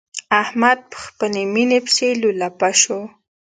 احمد په خپلې ميينې پسې لولپه شو.